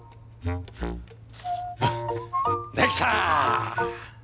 できた！